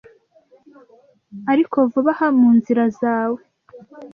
ariko vuba aha mu nzira zawe